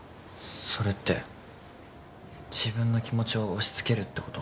それって自分の気持ちを押しつけるってこと？